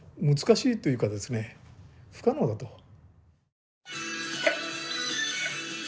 難しいというかですね不可能だと。